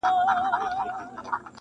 په ځنګله کي د ځنګله قانون چلېږي!.